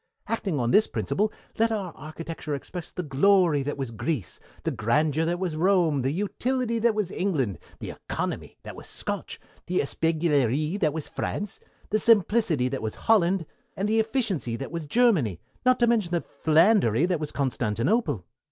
Acting on this principle let our architecture express the glory that was Greece, the grandeur that was Rome, the utility that was England, the economy that was Scotch, the espièglerie that was France, the simplicity that was Holland, and the efficiency that was Germany, not to mention the philandery that was Constantinople.